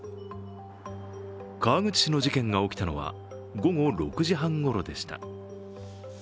川口市の事件が起きたのは午後６時半ごろでした。